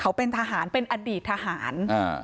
เขาเป็นทหารเป็นอดีตทหารอ่า